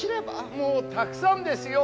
もうたくさんですよ。